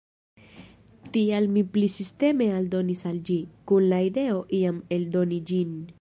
Tial mi pli sisteme aldonis al ĝi, kun la ideo iam eldoni ĝin.